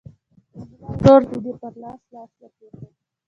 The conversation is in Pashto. جميله ورو د دې پر لاس لاس ورکښېښود.